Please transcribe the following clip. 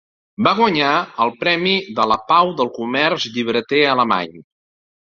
Va guanyar el Premi de la Pau del Comerç Llibreter Alemany.